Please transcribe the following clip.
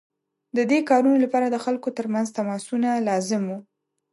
د دې کارونو لپاره د خلکو ترمنځ تماسونه لازم وو.